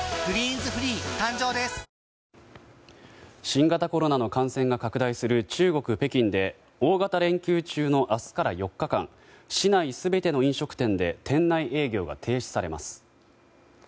新型コロナの感染が拡大する中国・北京で大型連休中の明日から４日間市内全ての飲食店で店内営業が停止されます。